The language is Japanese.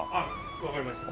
わかりました。